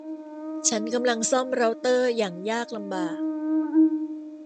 ฉันกำลังซ่อมเร้าเตอร์อย่างยากลำบาก